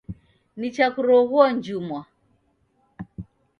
Nicha kuroghua njumwa.